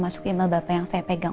masuk email bapak yang saya pegang